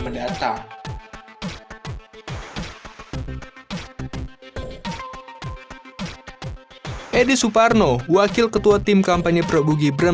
menjelaskan program yang digencaharkan oleh prabowo gibran akan menggunakan dana yang didapat dari peniriman pajak